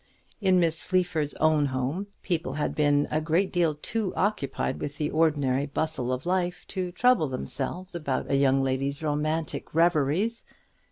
In Miss Sleaford's own home people had been a great deal too much occupied with the ordinary bustle of life to trouble themselves about a young lady's romantic reveries.